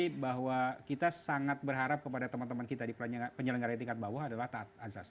tapi bahwa kita sangat berharap kepada teman teman kita di penyelenggara tingkat bawah adalah taat azaz